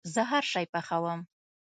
زه هرشی پخوم